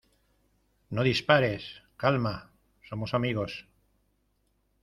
¡ No dispares! Calma. somos amigos .